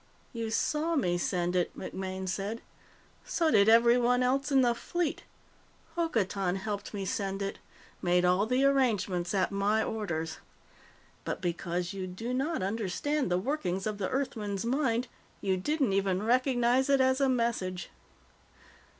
"You saw me send it," MacMaine said. "So did everyone else in the fleet. Hokotan helped me send it made all the arrangements at my orders. But because you do not understand the workings of the Earthman's mind, you didn't even recognize it as a message.